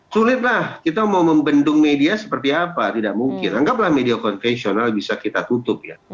sulitlah kita mau membendung media seperti apa tidak mungkin anggaplah media konvensional bisa kita tutup ya